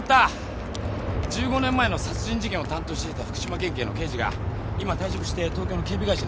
１５年前の殺人事件を担当していた福島県警の刑事が今退職して東京の警備会社に就職してた。